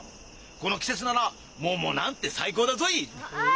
この季節なら桃なんて最高だぞい！